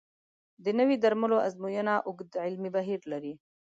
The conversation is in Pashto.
د نوي درملو ازموینه اوږد علمي بهیر لري.